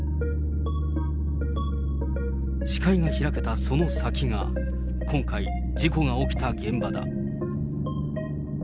視界が開けたその先が、今回、事故が起きた現場だ。